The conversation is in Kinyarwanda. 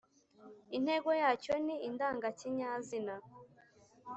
intego yacyo ni indangakinyazina